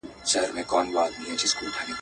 لکه سرو معلومداره په چمن کي.